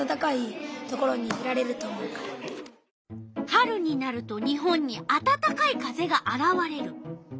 春になると日本にあたたかい風があらわれる。